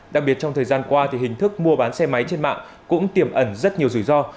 đặc biệt trong thời gian qua thì hình thức mua bán xe máy trên mạng cũng tiềm ẩn rất nhiều rủi ro